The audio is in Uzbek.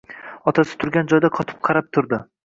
Otasi turgan joyida qotib qarab turdi